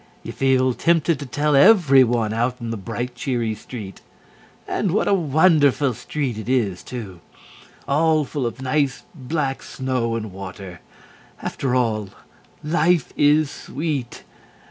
You feel tempted to tell everyone out in the bright, cheery street. And what a wonderful street it is too! All full of nice, black snow and water. After all, Life is sweet!